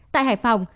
tại hải phòng